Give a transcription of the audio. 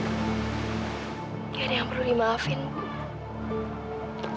gak ada yang perlu dimaafin bu